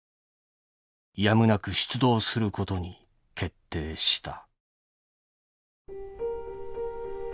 やむなく出動することに決定した」。